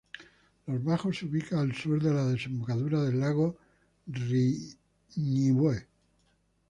Los Bajos se ubica al sur de la desembocadura del Lago Riñihue.